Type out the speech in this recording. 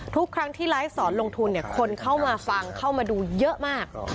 ทุกครั้งที่ไลฟ์สอนลงทุนคนเข้ามาฟังเข้ามาดูเยอะมาก